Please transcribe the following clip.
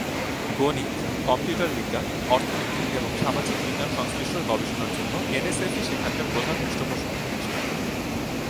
গণিত, কম্পিউটার বিজ্ঞান, অর্থনীতি এবং সামাজিক বিজ্ঞান সংশ্লিষ্ট গবেষণার জন্য এনএসএফ-ই সেখানকার প্রধান পৃষ্ঠপোষক প্রতিষ্ঠান।